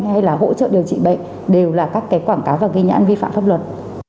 hay là hỗ trợ điều trị bệnh đều là các cái quảng cáo và ghi nhãn vi phạm pháp luật